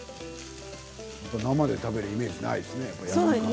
生で食べるイメージないですね。